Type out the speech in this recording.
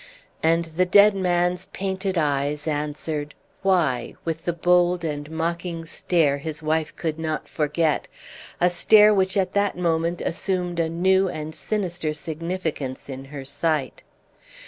And the dead man's painted eyes answered "Why?" with the bold and mocking stare his wife could not forget, a stare which at that moment assumed a new and sinister significance in her sight.